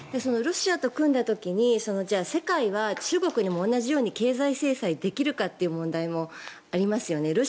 ロシアと組んだ時にじゃあ、世界は中国に同じように経済制裁をできるのかという問題もありますよね。